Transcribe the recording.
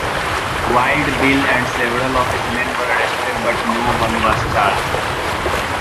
Wild Bill and several of his men were arrested, but no one was charged.